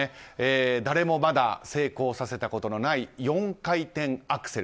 誰もまだ成功させたことのない４回転アクセル。